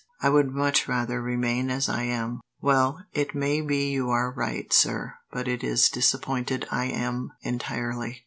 I would much rather remain as I am." "Well, it may be you are right, sir, but it is disappointed I am, entirely."